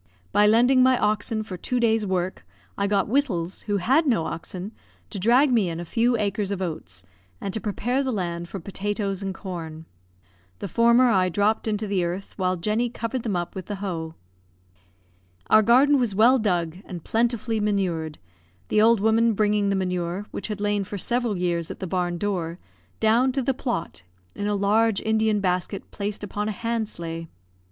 By lending my oxen for two days' work, I got Wittals, who had no oxen, to drag me in a few acres of oats, and to prepare the land for potatoes and corn. The former I dropped into the earth, while Jenny covered them up with the hoe. Our garden was well dug and plentifully manured, the old woman bringing the manure, which had lain for several years at the barn door, down to the plot, in a large Indian basket placed upon a hand sleigh.